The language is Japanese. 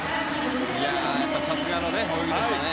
さすがの泳ぎでしたね。